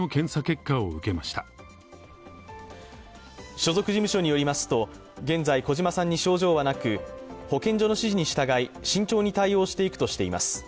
所属事務所によりますと、現在、児嶋さんに症状はなく保健所の指示に従い慎重に対応していくとしています。